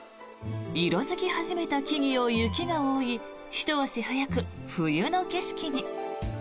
色付き始めた木々を雪が覆いひと足早く冬の景色に。